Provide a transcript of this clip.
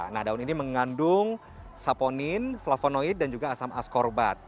nah daun ini mengandung saponin flavonoid dan juga asam as corbat